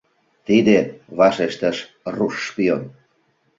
— Тиде, — вашештыш руш шпион.